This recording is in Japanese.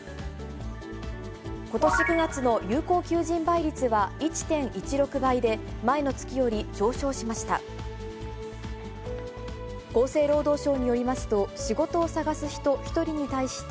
ことし９月の有効求人倍率は１．１６倍で、前の月より上昇しました。